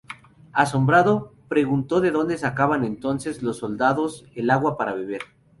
Asombrado, preguntó de dónde sacaban entonces los soldados el agua para beber.